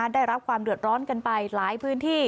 ได้รับความเดือดร้อนกันไปหลายพื้นที่